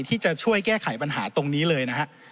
ที่จะช่วยแก้ไขปัญหาตรงนี้เลยนะฮะ